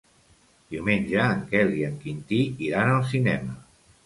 Diumenge en Quel i en Quintí iran al cinema.